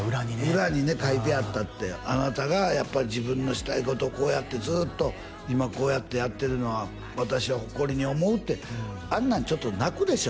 裏にね書いてあったってあなたが自分のしたいことをこうやってずっと今こうやってやってるのは私は誇りに思うってあんなんちょっと泣くでしょ